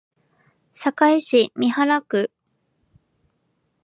堺市美原区